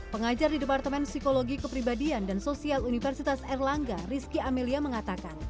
pengajar di departemen psikologi kepribadian dan sosial universitas erlangga rizky amelia mengatakan